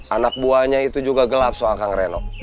anak buahnya itu juga gelap soal sang reno